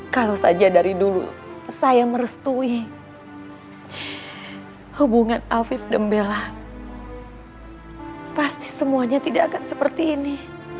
kalau saja dari dulu saya merestui hubungan afif dembela pasti semuanya tidak akan seperti ini